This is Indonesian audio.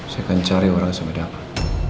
saya akan cari orang yang saya dapat